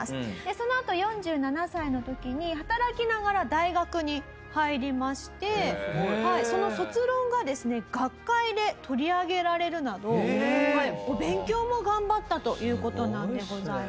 そのあと４７歳の時に働きながら大学に入りましてその卒論がですね学会で取り上げられるなどお勉強も頑張ったという事なんでございます。